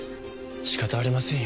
仕方ありませんよ。